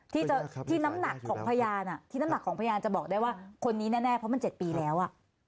ที่น้ำหนักของพยานจะบอกได้ว่าคนนี้แน่เพราะมัน๗ปีแล้ว